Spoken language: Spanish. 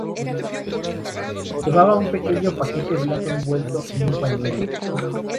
Llevaba un pequeño paquete blanco envuelto en un pañuelo.